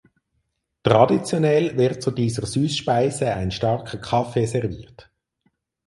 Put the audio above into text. Traditionell wird zu dieser Süßspeise ein starker Kaffee serviert.